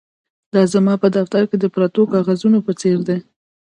دا زما په دفتر کې د پرتو کاغذونو په څیر دي